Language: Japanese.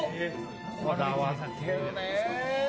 こだわってるね。